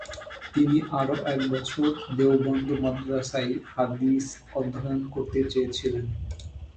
তিনি আরও একবছর দেওবন্দ মাদ্রাসায় হাদিস অধ্যয়ন করতে চেয়েছিলেন।